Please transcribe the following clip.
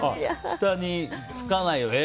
下につかないようにね。